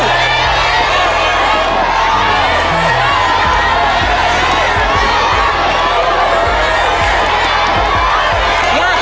เร็วเจ็บ